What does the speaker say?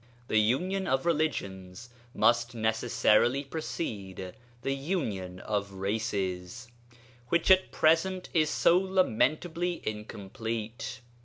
The union of religions must necessarily precede the union of races, which at present is so lamentably incomplete.